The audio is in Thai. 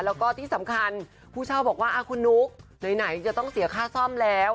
แล้วก็ที่สำคัญผู้เช่าบอกว่าคุณนุ๊กไหนจะต้องเสียค่าซ่อมแล้ว